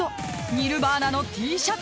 ニルヴァーナのＴシャツ］